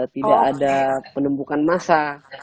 tidak ada penemukan massa